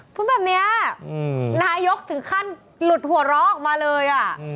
พูดแบบนี้นายกถึงขั้นหลุดหัวเราะออกมาเลย